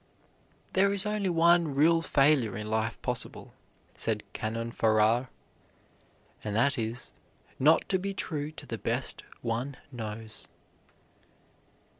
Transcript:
"There is only one real failure in life possible," said Canon Farrar; "and that is, not to be true to the best one knows."